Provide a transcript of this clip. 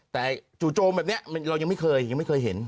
แต่จู่โจมแบบนี้เรายังไม่เคยยังไม่เคยเห็น